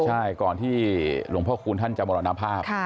ใช่ก่อนที่หลวงพ่อคูณท่านจะมรณภาพ